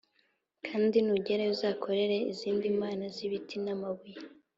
kandi nugerayo uzakorera izindi mana z’ibiti n’amabuye